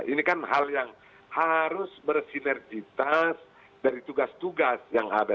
ini kan hal yang harus bersinergitas dari tugas tugas yang ada